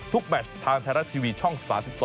ทุกแบตช์ทางไทยรัฐทีวีช่อง๓๒